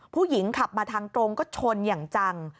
ผู้หญิงขับมาทางตรงก็ชนอย่างจัง